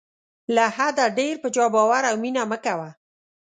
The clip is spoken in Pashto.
له حده ډېر په چا باور او مینه مه کوه.